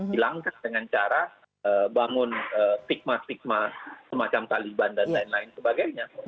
hilangkan dengan cara bangun stigma stigma semacam taliban dan lain lain sebagainya